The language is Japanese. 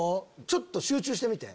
ちょっと集中してみて。